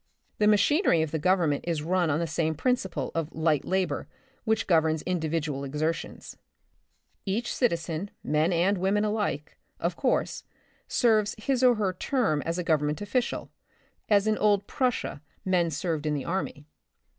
The machinery of the Government is run on the same principle of light labor which governs individual exertions. Each citizen, men and women alike, of course, serves his or her term as a government official, as in old Prussia men 70 The Republic of the Future, III served in the army.